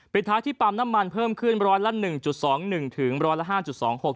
ท้ายที่ปั๊มน้ำมันเพิ่มขึ้นร้อยละหนึ่งจุดสองหนึ่งถึงร้อยละห้าจุดสองหก